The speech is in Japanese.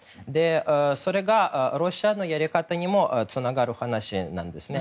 それがロシアのやり方にもつながる話なんですね。